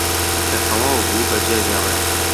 کە تەواو بوو بەجێ دێڵێت